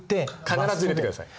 必ず入れてください。